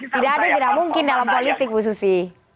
tidak ada yang tidak mungkin dalam politik bu susi